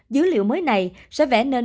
dữ liệu mới này sẽ vẽ nên